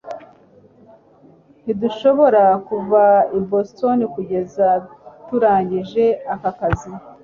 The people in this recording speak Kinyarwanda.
ntidushobora kuva i boston kugeza turangije aka kazi